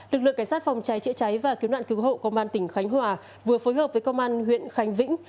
lực lượng cảnh sát phòng cháy chữa cháy và cứu nạn cứu hộ công an tỉnh khánh hòa vừa phối hợp với công an huyện khánh vĩnh